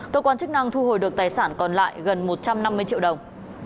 cơ quan chức năng thu hồi được tài sản còn lại gần một trăm năm mươi triệu đồng